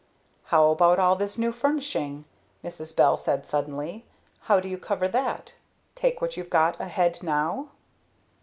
"How about all this new furnishing?" Mrs. Bell said suddenly. "How do you cover that? Take what you've got ahead now?"